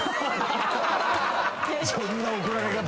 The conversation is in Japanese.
そんな怒られ方。